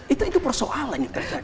itu persoalan yang terjadi